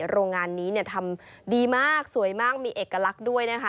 โรงงานนี้ทำดีมากสวยมากมีเอกลักษณ์ด้วยนะคะ